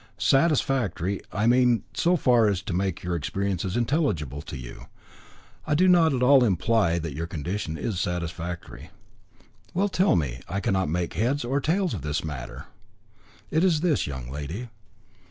Satisfactory, I mean, so far as to make your experiences intelligible to you. I do not at all imply that your condition is satisfactory." "Well, tell me. I cannot make heads or tails of this matter." "It is this, young lady.